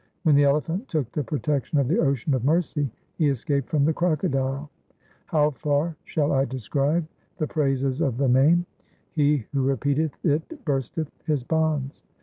When the elephant took the protection of the Ocean of mercy, he escaped from the crocodile. How far shall I describe the praises of the Name ? He who repeateth it bursteth his bonds.